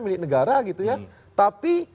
milik negara gitu ya tapi